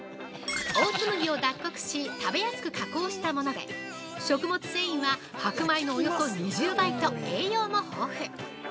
オーツ麦を脱穀し食べやすく加工したもので、食物繊維は、白米のおよそ２０倍と栄養も豊富。